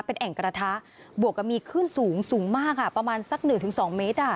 เป็นแอ่งกระทะบวกกับมีขึ้นสูงสูงมากค่ะประมาณสักหนึ่งถึงสองเมตร